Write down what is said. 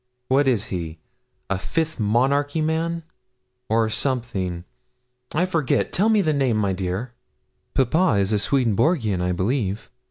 What is he? A Fifth Monarchy man, or something I forget; tell me the name, my dear.' 'Papa is a Swedenborgian, I believe.'